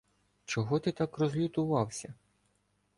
Чого ти так розлютовався?